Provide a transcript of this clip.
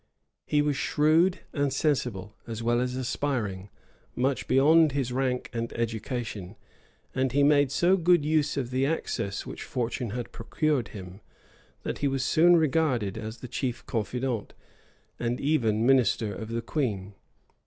He was shrewd and sensible, as well as aspiring, much beyond his rank and education; and he made so good use of the access which fortune had procured him, that he was soon regarded as the chief confidant, and even minister of the queen.